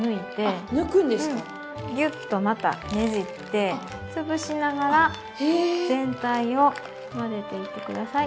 ギュッとまたねじって潰しながら全体を混ぜていって下さい。